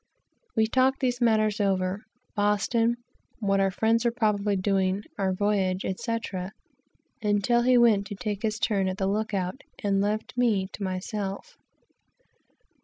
We talked these matters over, Boston, what our friends were probably doing, our voyage, etc., until he went to take his turn at the look out, and left me to myself.